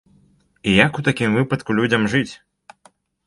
І як у такім выпадку людзям жыць?